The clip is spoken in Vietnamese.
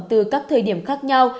từ các thời điểm khác nhau